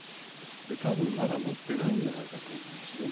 たぶんまだ持ってないんじゃないかと思うんですね。